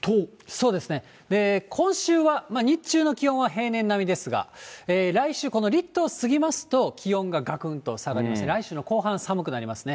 そうですね、今週は日中の気温は平年並みですが、来週、この立冬を過ぎますと気温ががくんと下がりまして、来週の後半、寒くなりますね。